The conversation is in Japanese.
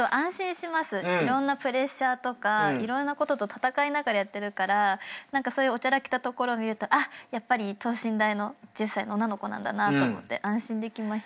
いろんなプレッシャーとか色々なことと闘いながらやってるからそういうおちゃらけたところ見るとあっやっぱり等身大の１０歳の女の子なんだなと思って安心できました。